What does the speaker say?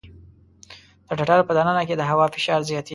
د ټټر په د ننه کې د هوا فشار زیاتېږي.